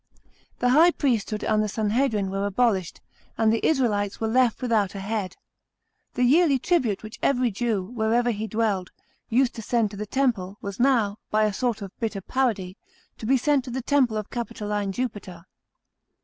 The high priesthood and the Sanhedrim were abolished, and the Israelites were left without a head The yearly tribute which every Jew, wherever he dwelled, used to send to the temple, was now, by a sort of bitter parody, to be sent to the temple of Capitoline Jupiter.